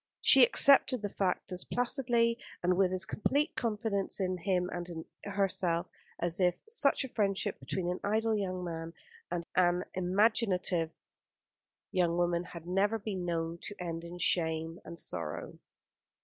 She accepted the fact as placidly, and with as complete confidence in him and in herself, as if such a friendship between an idle young man and an imaginative young woman had never been known to end in shame and sorrow.